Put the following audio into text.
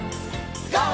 ＧＯ！